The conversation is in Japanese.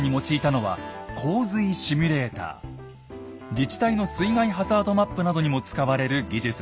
自治体の水害ハザードマップなどにも使われる技術です。